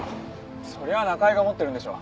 それは中井が持ってるんでしょう